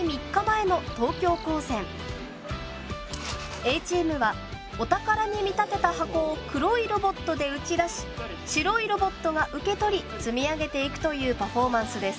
Ａチームはお宝に見立てた箱を黒いロボットでうち出し白いロボットが受け取り積み上げていくというパフォーマンスです。